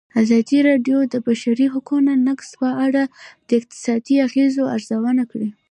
ازادي راډیو د د بشري حقونو نقض په اړه د اقتصادي اغېزو ارزونه کړې.